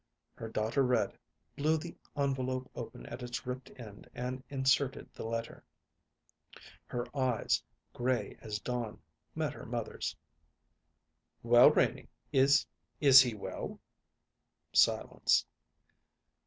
Her daughter read, blew the envelope open at its ripped end and inserted the letter. Her eyes, gray as dawn, met her mother's. "Well, Renie, is is he well?" Silence.